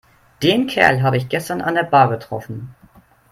Den Kerl habe ich gestern an der Bar getroffen.